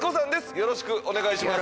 よろしくお願いします